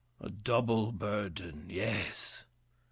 A double burden—yes.